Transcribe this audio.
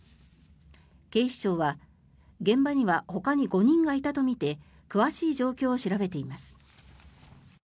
警視庁は現場にはほかに５人がいたとみて詳しい状況を調べています。